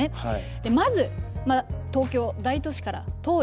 でまず東京大都市から遠い